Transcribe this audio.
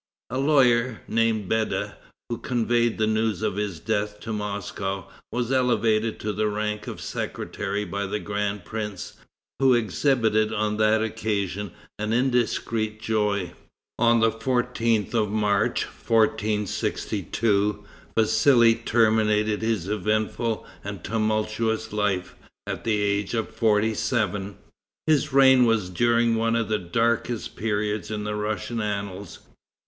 A lawyer, named Beda, who conveyed the news of his death to Moscow, was elevated to the rank of secretary by the grand prince, who exhibited on that occasion an indiscreet joy." On the 14th of March, 1462, Vassali terminated his eventful and tumultuous life, at the age of forty seven. His reign was during one of the darkest periods in the Russian annals.